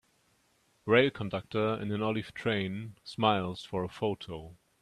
Rail conductor in an olive train smiles for a photo